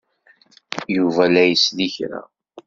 Yuba la isell i kra.